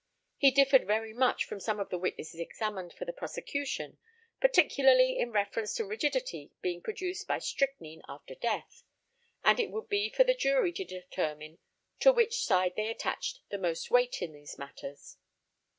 He differed very much from some of the witnesses examined for the prosecution, particularly in reference to rigidity being produced by strychnine after death, and it would be for the jury to determine to which side they attached the most weight in these matters.